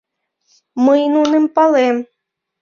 Мый нуным палем.